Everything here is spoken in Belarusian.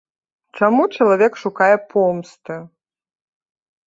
Чаму чалавек шукае помсты?